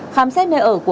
khám xét nơi ớt